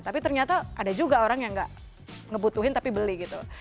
tapi ternyata ada juga orang yang gak ngebutuhin tapi beli gitu